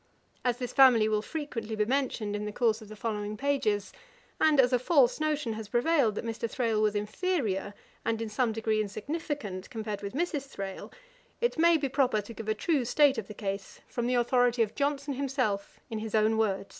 As this family will frequently be mentioned in the course of the following pages, and as a false notion has prevailed that Mr. Thrale was inferiour, and in some degree insignificant, compared with Mrs. Thrale, it may be proper to give a true state of the case from the authority of Johnson himself in his own words.